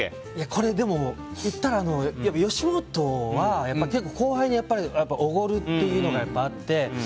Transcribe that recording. これでも言ったら、吉本は結構、後輩におごるというのがあって。